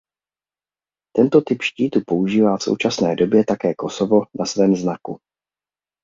Tento typ štítu používá v současné době také Kosovo na svém znaku.